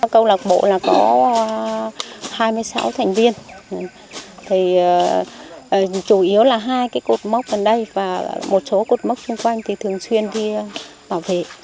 công lạc bộ có hai mươi sáu thành viên chủ yếu là hai cột mốc ở đây và một số cột mốc xung quanh thì thường xuyên đi bảo vệ